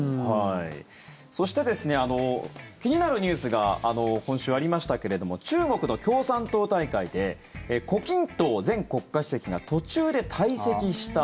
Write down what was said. そして気になるニュースが今週ありましたけれども中国の共産党大会で胡錦涛前国家主席が途中で退席した。